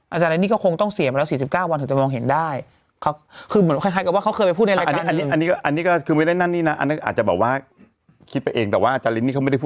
อาจารย์อันนี้ก็คงต้องเสียมาแล้ว๔๙วันถึงจะมองเห็นได้